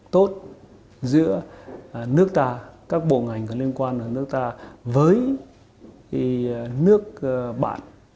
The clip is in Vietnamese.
tốt giữa nước ta các bộ ngành có liên quan ở nước ta với nước bạn